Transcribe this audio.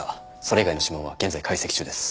それ以外の指紋は現在解析中です。